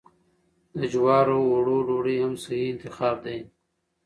د جوارو اوړو ډوډۍ هم صحي انتخاب دی.